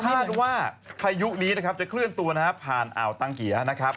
พาดว่าพยุคนี้จะเคลื่อนตัวผ่านอ่าวตั้งเกียร์นะครับ